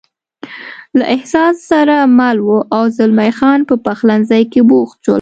له احساس سره مل و، او زلمی خان په پخلنځي کې بوخت شول.